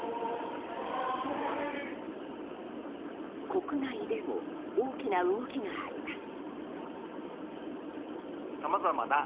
国内でも大きな動きがあります。